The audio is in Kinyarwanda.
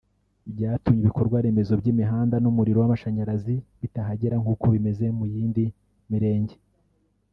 byatumye ibikorwa remezo by’imihanda n’umuriro w’amashanyarazi bitahagera nk’uko bimeze mu yindi Mirenge